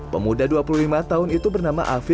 pemuda dua puluh lima tahun itu bernama afi